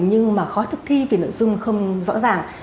nhưng mà khó thực thi vì nội dung không rõ ràng